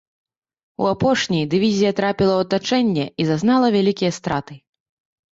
У апошняй дывізія трапіла ў атачэнне і зазнала вялікія страты.